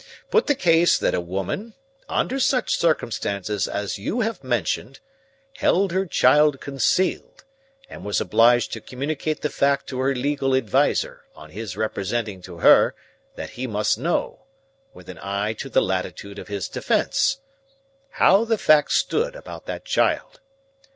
Put the case that a woman, under such circumstances as you have mentioned, held her child concealed, and was obliged to communicate the fact to her legal adviser, on his representing to her that he must know, with an eye to the latitude of his defence, how the fact stood about that child.